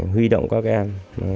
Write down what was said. huy động các em